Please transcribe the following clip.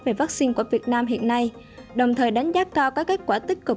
về vaccine của việt nam hiện nay đồng thời đánh giá cao các kết quả tích cực